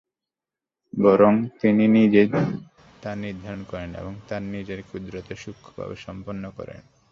বরং তিনি নিজেই তা নির্ধারণ করেন এবং তাঁর নিজ কুদরতে সূক্ষ্মভাবে সম্পন্ন করেন।